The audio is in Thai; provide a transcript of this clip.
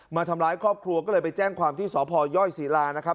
มาทำร้ายครอบครัวก็เลยไปแจ้งความที่สพยศิลานะครับ